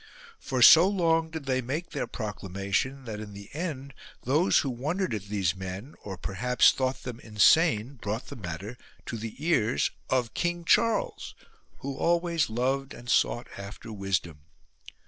For so long did they make their proclamation that in the end those who wondered at these men, or perhaps thought them insane, brought the matter to the ears of King Charles, who always loved and sought after wisdom.